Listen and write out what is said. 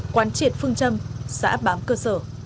quán triệt phương châm xã áp bám cơ sở